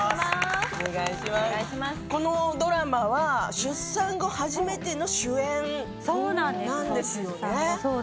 このドラマは出産後初めての主演なんですよね。